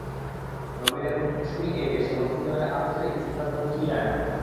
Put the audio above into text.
নবীনের মুশকিল এই যে, সে মধুসূদনের আপিসের ইতিবৃত্তান্ত কিছুই জানে না।